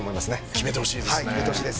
決めてほしいです。